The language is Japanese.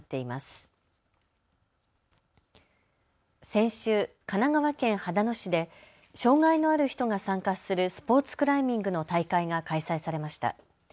先週、神奈川県秦野市で障害のある人が参加するスポーツクライミングの大会が開催されました。